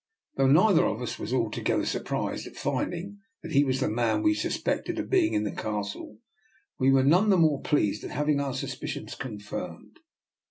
Though neither of us was altoge ther surprised at finding that he was the man we suspected of being in the Castle, we were none the more pleased at having our sus picions confirmed.